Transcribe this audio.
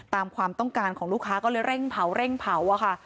ตามความต้องการของลูกค้าก็เลยเร่งเผาเร่งเผาอะค่ะ